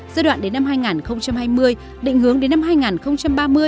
giai đoạn đến năm hai nghìn hai mươi định hướng đến năm hai nghìn ba mươi